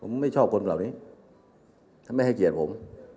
ผมไม่ชอบคนเหล่านี้ถ้าไม่ให้เกียรติผม